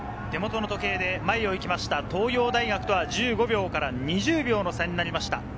手元の時計で前を行きました東洋大学とは１５秒から２０秒の差になりました。